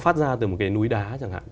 phát ra từ một cái núi đá chẳng hạn